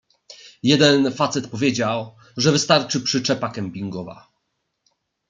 Jeden facet powiedział, że wystarczy przyczepa kempingowa.